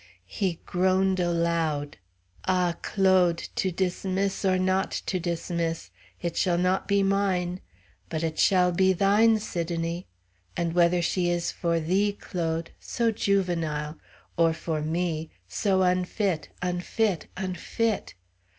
He groaned aloud. "Ah! Claude! To dismiss or not to dismiss, it shall not be mine! But it shall be thine, Sidonie! And whether she is for thee, Claude so juvenile! or for me, so unfit, unfit, unfit!